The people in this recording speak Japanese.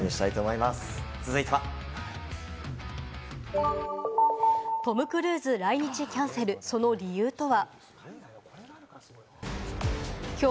続いては、トム・クルーズ、来日キャンセル、その理由とは。